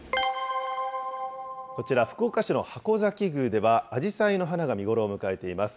こちら、福岡市の筥崎宮では、あじさいの花が見頃を迎えています。